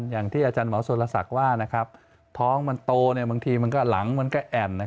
อย่างที่อาจารย์หมอสุรศักดิ์ว่าท้องมันโตบางทีมันก็หลังมันก็แอ่น